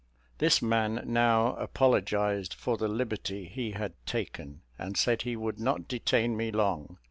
This man now apologized for the liberty he had taken, and said he would not detain me long.